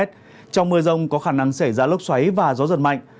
trong mưa rông có khả năng xảy ra lốc xoáy và gió giật mạnh